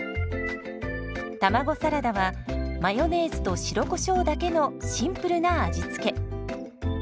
卵サラダはマヨネーズと白コショウだけのシンプルな味付け。